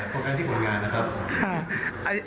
พบกันที่ผลงานนะครับ